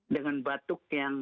dengan batuk yang